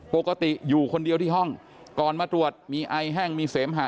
ปกติอยู่คนเดียวที่ห้องก่อนมาตรวจมีไอแห้งมีเสมหะ